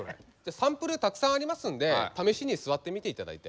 サンプルたくさんありますんで試しに座ってみて頂いて。